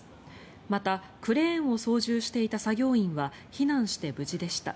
また、クレーンを操縦していた作業員は避難して無事でした。